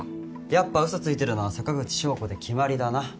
やっぱ嘘ついてるのは坂口翔子で決まりだな。